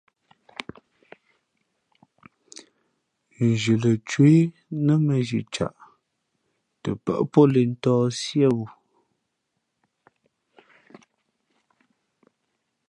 Nzhi lα cwéh nά měnzhi caʼ tα pάʼ pǒ lǐʼ ntǒh siéwū.